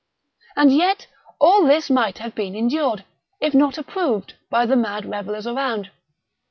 And yet all this might have been endured, if not approved, by the mad revellers around.